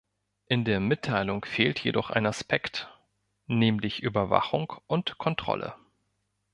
In der Mitteilung fehlt jedoch ein Aspekt, nämlich Überwachung und Kontrolle.